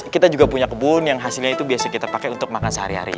kita juga punya kebun yang hasilnya itu biasa kita pakai untuk makan sehari hari